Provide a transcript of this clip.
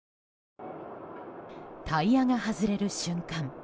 タイヤが外れる瞬間。